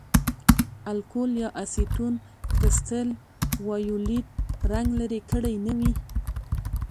الکول یا اسیټون کرسټل وایولېټ رنګ لرې کړی نه وي.